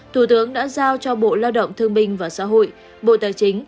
thủ tướng đã giao cho bộ lao động thương binh và xã hội